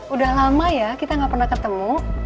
udah lama ya kita gak pernah ketemu